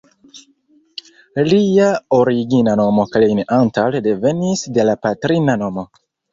Lia origina nomo "Klein Antal" devenis de la patrina nomo.